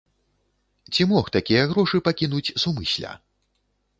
Ці мог такія грошы пакінуць сумысля?